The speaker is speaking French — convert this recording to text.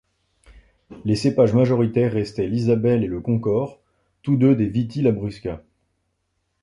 Les cépages majoritaires restaient l'isabelle et le concord, tous deux des Vitis labrusca.